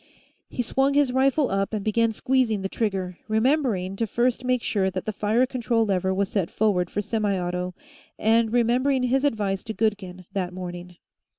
He swung his rifle up and began squeezing the trigger, remembering to first make sure that the fire control lever was set forward for semiauto, and remembering his advice to Goodkin, that morning.